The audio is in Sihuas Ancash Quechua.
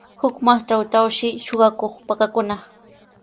Huk matraytrawshi suqakuq pakakunaq.